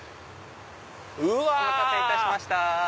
お待たせいたしました。